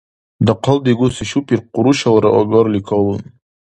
Дахъал дигуси шупир къурушалра агарли калун.